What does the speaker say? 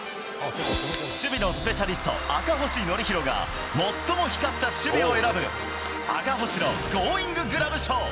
守備のスペシャリスト、赤星憲広が、最も光った守備を選ぶ、赤星のゴーインググラブ賞。